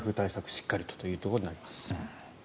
しっかりということになります。